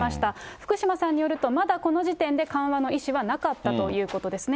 福島さんによると、まだこの時点で緩和の意思はなかったということですね。